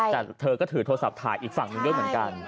แต่เธอก็ถือโทรศัพท์ถ่ายอีกฝั่งเป็นเรื่องเหมือนกัน